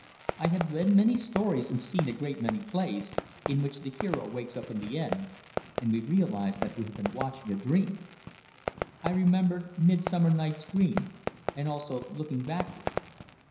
I had read many stories and seen a great many plays, in which the hero wakes up in the end, and we realize that we have been watching a dream. I remembered "Midsummer Night's Dream," and also "Looking Backward."